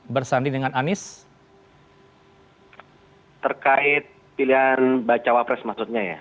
terkait pilihan bacawa press maksudnya ya